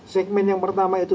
segmen yang pertama itu